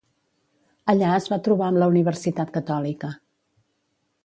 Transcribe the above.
Allà es va trobar amb la Universitat Catòlica.